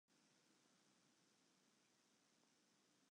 Witte jo wat dy tekst ynhâldt?